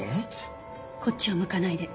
こっちを向かないで。